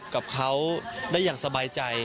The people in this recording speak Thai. กับเขาได้อย่างสบายใจ